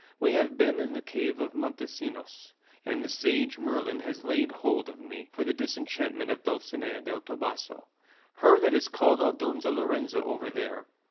We have been in the cave of Montesinos, and the sage Merlin has laid hold of me for the disenchantment of Dulcinea del Toboso, her that is called Aldonza Lorenzo over there.